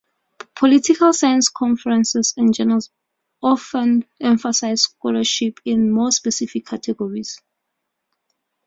Political science conferences and journals often emphasize scholarship in more specific categories.